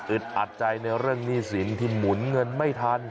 อัดใจในเรื่องหนี้สินที่หมุนเงินไม่ทัน